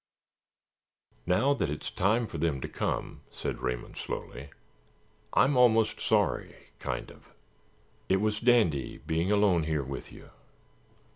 "Now that it's time for them to come," said Raymond, slowly, "I'm almost sorry—kind of. It was dandy being alone here with you."